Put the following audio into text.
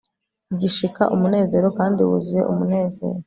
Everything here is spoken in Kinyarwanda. Igishika umunezero kandi wuzuye umunezero